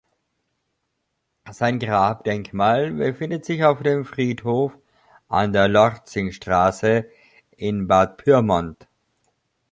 Sein Grabdenkmal befindet sich auf dem Friedhof an der Lortzingstraße in Bad Pyrmont.